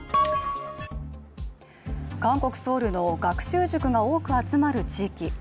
韓国ソウルの学習塾が多く集まる地域。